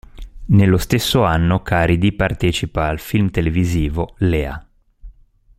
Nello stesso anno, Caridi partecipa al film televisivo "Lea".